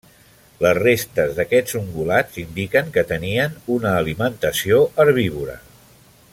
Les restes d'aquests ungulats indiquen que tenien una alimentació herbívora.